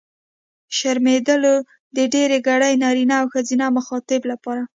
شرمېدلو! د ډېرګړي نرينه او ښځينه مخاطب لپاره.